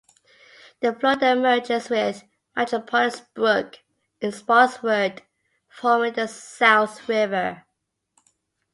The flow then merges with Matchaponix Brook in Spotswood forming the South River.